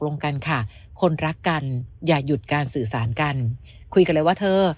ลงกันค่ะคนรักกันอย่าหยุดการสื่อสารกันคุยกันเลยว่าเธอ